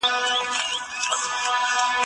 ښه خوب د فشار کمولو کې مرسته کوي.